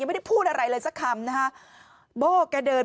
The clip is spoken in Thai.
ไม่รู้อะไรกับใคร